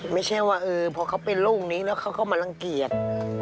ไม่ใช่ว่าพอเขาเป็นโรคนี้แล้วเขาก็มารังเกียจ